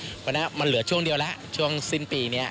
เพราะฉะนั้นมันเหลือช่วงเดียวแล้วช่วงสิ้นปีนี้